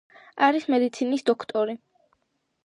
არის მედიცინის დოქტორი.